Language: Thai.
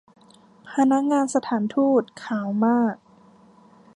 พนักงานสถานฑูต ขาวมาก